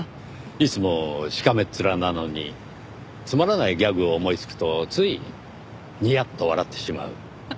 いつもしかめっ面なのにつまらないギャグを思いつくとついニヤッと笑ってしまう。